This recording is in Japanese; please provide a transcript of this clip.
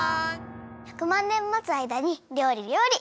１００まんねん待つあいだにりょうりりょうり。